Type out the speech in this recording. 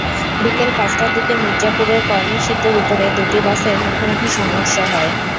বিকেল পাঁচটার দিকে মির্জাপুরের কর্ণী সেতুর ওপরে দুটি বাসের মুখোমুখি সংঘর্ষ হয়।